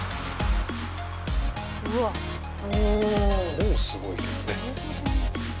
もうすごいけどね。